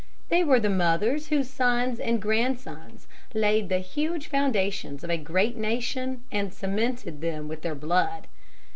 They were the mothers whose sons and grandsons laid the huge foundations of a great nation and cemented them with their blood.